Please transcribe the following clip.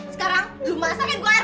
sekarang lu masakin gue air